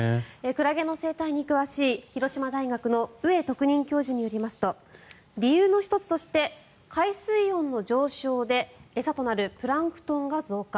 クラゲの生態に詳しい広島大学の上特任教授によりますと理由の１つとして海水温の上昇で餌となるプランクトンが増加。